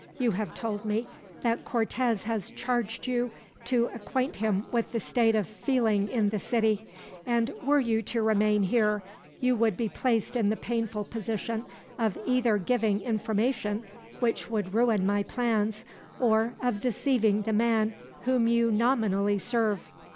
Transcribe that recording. You have told me that Cortez has charged you to acquaint him with the state of feeling in this city; and were you to remain here, you would be placed in the painful position of either giving information which would ruin my plans, or of deceiving the man whom you nominally serve.